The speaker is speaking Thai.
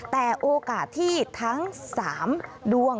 แต่โอกาสที่ทั้ง๓ดวง